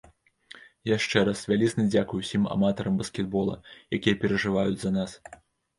Яшчэ раз вялізны дзякуй ўсім аматарам баскетбола, якія перажываюць за нас!